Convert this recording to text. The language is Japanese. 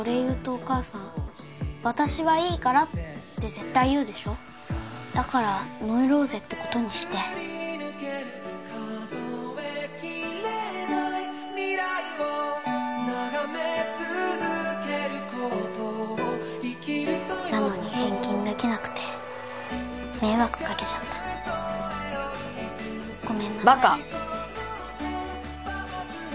お母さん「私はいいから」って絶対言うでしょだからノイローゼってことにしてなのに返金できなくて迷惑かけちゃったごめんなさいバカ！